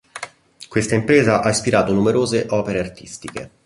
Questa impresa ha ispirato numerose opere artistiche.